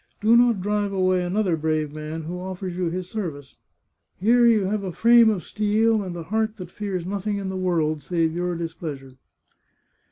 Do not drive away another brave man who offers you his service. Here you have a frame of steel and a heart that fears nothing in the world save your displeasure